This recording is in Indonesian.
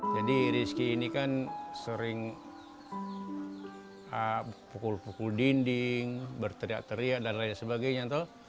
jadi reski ini kan sering pukul pukul dinding berteriak teriak dan lain sebagainya